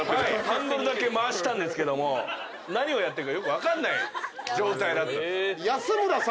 ハンドルだけ回したんですけども何をやってるかよく分かんない状態だったんです。